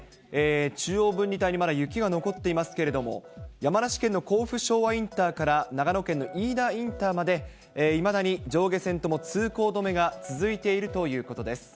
中央分離帯にまだ雪が残っていますけれども、山梨県の甲府昭和インターから長野県の飯田インターまで、いまだに上下線とも通行止めが続いているということです。